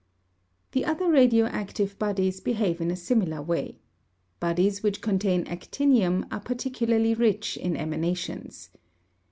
The other radioactive bodies behave in a similar way. Bodies which contain actinium are particularly rich in emanations.